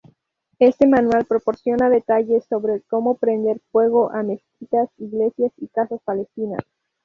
Este manual proporciona detalles sobre cómo prender fuego a mezquitas, iglesias y casas palestinas.